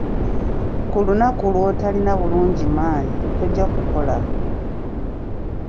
Ku lunaku lw'otalina bulungi maanyi tojja kukola.